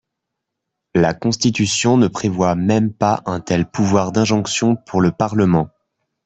La Constitution ne prévoit même pas un tel pouvoir d’injonction pour le Parlement.